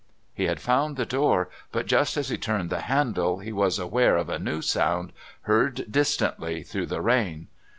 He had found the door, but just as he turned the handle he was aware of a new sound, heard distantly, through the rain.